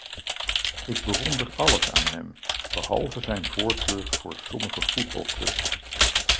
Ik bewonder alles aan hem, behalve zijn voorkeur voor sommige voetbalclubs.